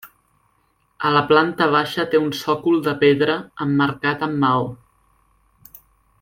A la planta baixa té un sòcol de pedra emmarcat amb maó.